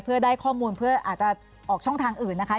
เพื่อได้ข้อมูลเพื่ออาจจะออกช่องทางอื่นนะคะ